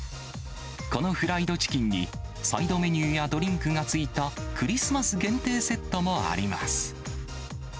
このフライドチキンに、サイドメニューやドリンクがついたクリスマス限定セットもあります。